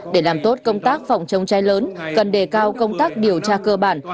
để làm tốt công tác phòng chống cháy lớn cần đề cao công tác điều tra cơ bản